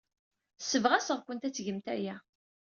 Ssebɣaseɣ-kent ad tgemt aya.